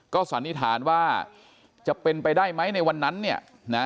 สันนิษฐานว่าจะเป็นไปได้ไหมในวันนั้นเนี่ยนะ